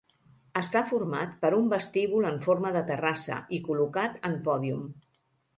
Està format per un vestíbul en forma de terrassa, i col·locat en pòdium.